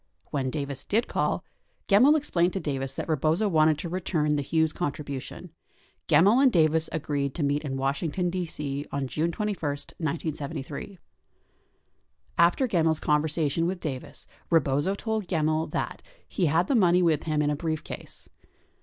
When Davis did call, Gemmill explained to Davis that Rebozo wanted to return the Hughes contribution. Gemmill and Davis agreed to meet in Washington, D.C., on June 21, 1973. 64 After Gemmill 's conversation with Davis, Rebozo told Gemmill that, he had the money with him in a briefcase.